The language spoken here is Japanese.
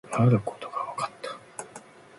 あることが分かった